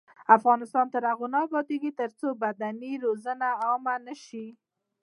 افغانستان تر هغو نه ابادیږي، ترڅو بدني روزنه عامه نشي.